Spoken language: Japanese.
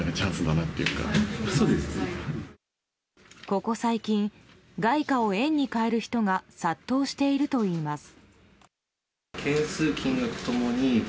ここ最近、外貨を円に替える人が殺到しているといいます。